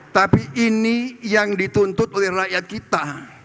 tapi ini yang dituntut oleh rakyat kita